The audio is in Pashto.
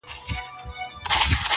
• نازکبچياننازکګلونهيېدلېپاتهسي,